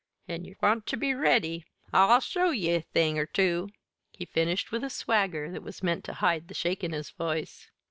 An' ye want ter be ready I'll show ye a thing or two!" he finished with a swagger that was meant to hide the shake in his voice.